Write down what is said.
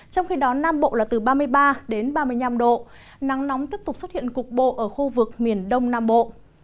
trong khi đó nam bộ là từ ba mươi ba đến ba mươi năm độ nắng nóng tiếp tục xuất hiện cục bộ ở khu vực miền đông nam bộ